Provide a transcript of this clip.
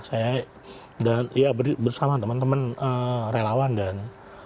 saya bersama teman teman relawan dan